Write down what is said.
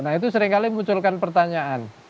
nah itu seringkali munculkan pertanyaan